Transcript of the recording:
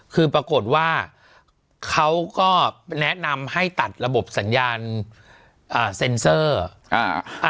คือปรากฏว่าเขาก็แนะนำให้ตัดระบบสัญญาณอ่าเซ็นเซอร์อ่า